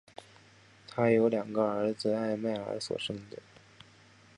她有两个儿子艾麦尔所生的。